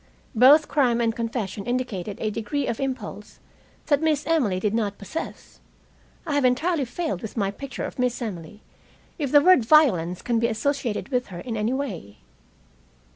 Both crime and confession indicated a degree of impulse that Miss Emily did not possess. I have entirely failed with my picture of Miss Emily if the word violence can be associated with her in any way.